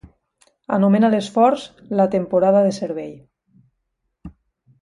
Anomena l'esforç la "temporada de servei".